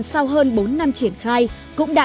sau hơn bốn năm triển khai cũng đã